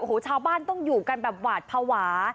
โอ้โหชาวบ้านต้องอยู่กันแบบหวาดภาวะ